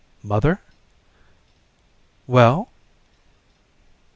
"Mother?" "Well?"